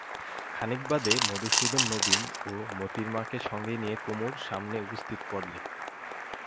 খানিক বাদে মধুসূদন নবীন ও মোতির মাকে সঙ্গে নিয়ে কুমুর সামনে উপস্থিত করলে।